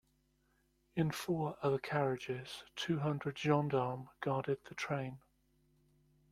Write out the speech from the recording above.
In four other carriages, two hundred gendarmes guarded the train.